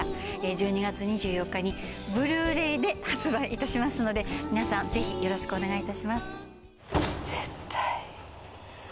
１２月２４日にＢｌｕ−ｒａｙで発売いたしますので皆さんぜひよろしくお願いいたします。